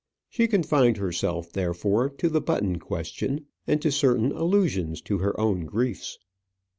She confined herself, therefore, to the button question, and to certain allusions to her own griefs.